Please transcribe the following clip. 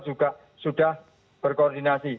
juga sudah berkoordinasi